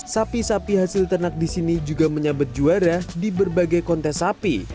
sapi sapi hasil ternak di sini juga menyabet juara di berbagai kontes sapi